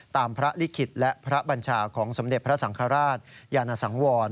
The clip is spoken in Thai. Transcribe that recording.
ตามพระลิขิตและพระบัญชาของสมเด็จพระสังฆราชยานสังวร